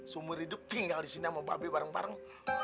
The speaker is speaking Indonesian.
semur hidup tinggal di sini sama ba be bareng bareng